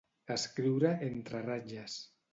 Escriure entre ratlles.